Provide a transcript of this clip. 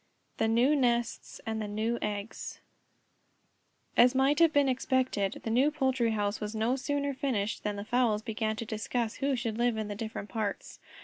THE NEW NESTS AND THE NEST EGGS As might have been expected, the new poultry house was no sooner finished than the fowls began to discuss who should live in the different parts.